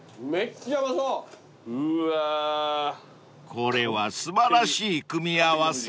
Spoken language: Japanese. ［これは素晴らしい組み合わせ］